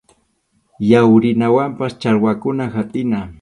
Yawrinawanpas challwakuna hapʼina.